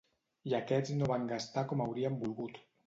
I aquests no van gastar com haurien volgut.